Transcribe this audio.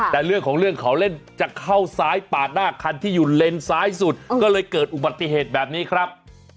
แต่เรื่องของเรื่องเขาเล่นจะเข้าซ้ายปาดหน้าคันที่อยู่เลนซ้ายสุดก็เลยเกิดอุบัติเหตุแบบนี้ครับ